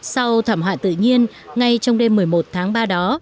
sau thảm họa tự nhiên ngay trong đêm một mươi một tháng ba đó